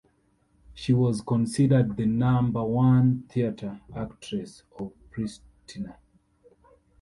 She was considered the number one theater actress of Pristina.